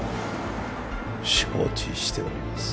承知しております。